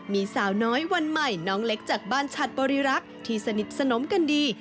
มีสาวน้อยวันใหม่น้องเล็กจากบ้านฉัดบริรักษ์ที่สนิทสนมกันดี